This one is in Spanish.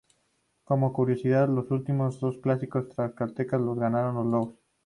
Como curiosidad los últimos dos clásicos tlaxcaltecas los ganaron los Lobos.